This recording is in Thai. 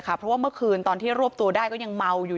เพราะว่าเมื่อคืนตอนที่รวบตัวได้ก็ยังเมาอยู่